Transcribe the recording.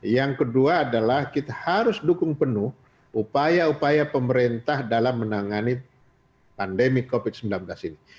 yang kedua adalah kita harus dukung penuh upaya upaya pemerintah dalam menangani pandemi covid sembilan belas ini